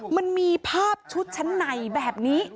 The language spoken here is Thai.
มันมีภาพชุดชั้นในแบบนี้